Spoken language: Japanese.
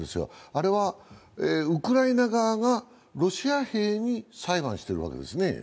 あれはウクライナ側がロシア兵に裁判してるわけですね。